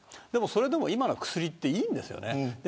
それでも今の薬はいいんですよね。